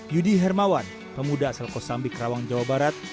yudi hermawan pemuda asal kosambi karawang jawa barat